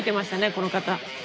この方。